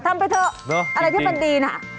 ทำไปเถอะอะไรที่เป็นดีน่ะ